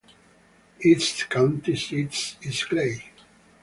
Its county seat is Clay.